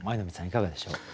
いかがでしょう？